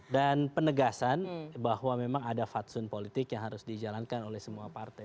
dan penegasan bahwa memang ada fatsoen politik yang harus dijalankan oleh semua partai